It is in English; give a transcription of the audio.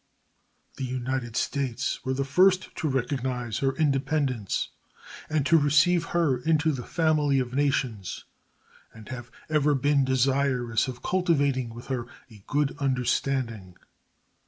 The United States were the first to recognize her independence and to receive her into the family of nations, and have ever been desirous of cultivating with her a good understanding.